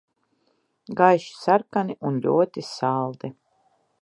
Gaiši sarkani un ļoti saldi.